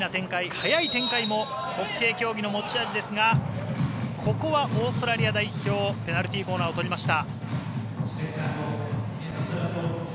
速い展開もホッケー競技の持ち味ですがここはオーストラリア代表ペナルティーコーナーを取りました。